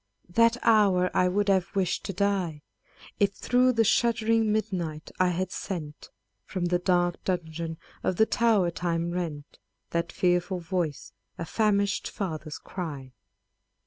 that hour I would have wish'd to die, If through the shuddering miduight I had sent, From the dark dungeon of the tow'r time rent, That fearful voice, a famish'd father's cry